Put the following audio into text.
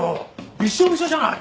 びしょびしょじゃない。